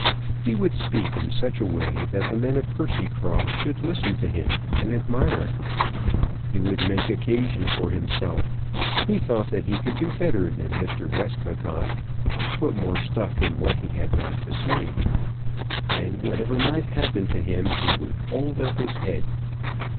He would speak in such a way that the men of Percycross should listen to him and admire. He would make occasion for himself. He thought that he could do better than Mr. Westmacott, put more stuff in what he had got to say. And, whatever might happen to him, he would hold up his head.